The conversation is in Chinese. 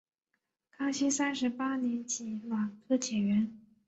康熙三十八年己卯科解元。